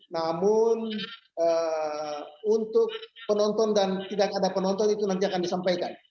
namun untuk penonton dan tidak ada penonton itu nanti akan disampaikan